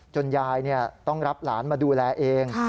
ยายต้องรับหลานมาดูแลเอง